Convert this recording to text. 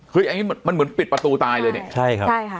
คืออันนี้มันเหมือนปิดประตูตายเลย